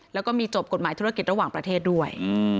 แล้วก็มีจบกฎหมายธุรกิจระหว่างประเทศด้วย